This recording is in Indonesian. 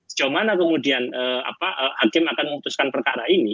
sejauh mana kemudian hakim akan memutuskan perkara ini